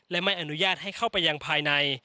และไม่อนุญาตให้เข้าไปยังภายใน